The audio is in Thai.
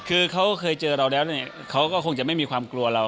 คือเขาเคยเจอเราแล้วเนี่ยเขาก็คงจะไม่มีความกลัวเรา